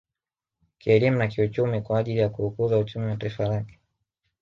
Kielimu na kiuchumi kwa ajili ya kuukuza uchumi wa taifa lake